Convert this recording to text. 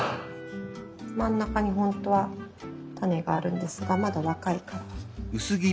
真ん中にほんとは種があるんですがまだ若いから。